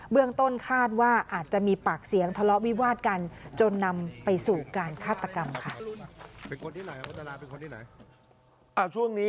เรื่องต้นคาดว่าอาจจะมีปากเสียงทะเลาะวิวาดกันจนนำไปสู่การฆาตกรรมค่ะ